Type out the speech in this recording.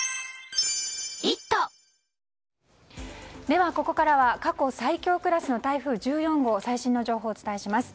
では、ここからは過去最強クラスの台風１４号の最新の情報をお伝えします。